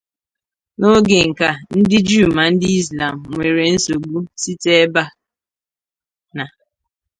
Na oge nka, ndi Jew ma ndi Islam nwere nsobu site ebe na.